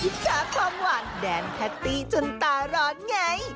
จ้าความหวานแดนแพตตี้จนตาร้อนไง